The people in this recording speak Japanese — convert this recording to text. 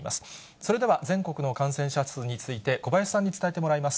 それでは全国の感染者数について、小林さんに伝えてもらいます。